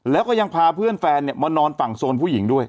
แล้วก็ยังพาเพื่อนแฟนมานอนฝั่งโซนผู้หญิงด้วย